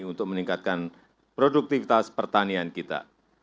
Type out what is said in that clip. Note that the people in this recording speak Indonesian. untuk meningkatkan produktivitas pertanian kita